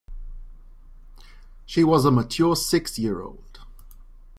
She was a mature six-year-old.